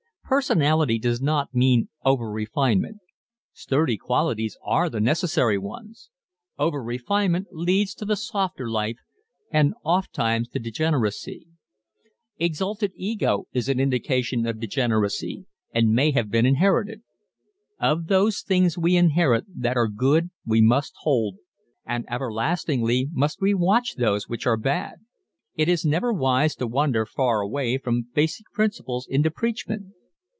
Personality does not mean over refinement. Sturdy qualities are the necessary ones. Over refinement leads to the softer life and ofttimes to degeneracy. Exalted ego is an indication of degeneracy and may have been inherited. Of those things we inherit that are good we must hold, and everlastingly must we watch those which are bad. It is never wise to wander far away from basic principles into preachment.